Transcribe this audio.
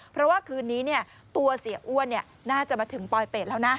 เพราะว่าคืนนี้ตัวเสียอ้วนน่าจะมาถึงปลอยเป็ดแล้วนะ